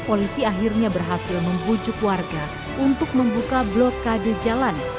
polisi akhirnya berhasil membujuk warga untuk membuka blokade jalan